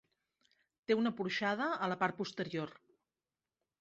Té una porxada a la part posterior.